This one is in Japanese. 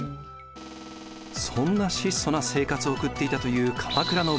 そんな質素な生活を送っていたという鎌倉の武士。